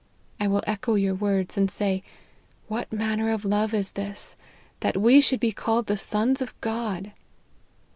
I will echo your words, and say, ' What manner of love is this, that we should be called the sons of God